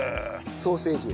ソーセージを。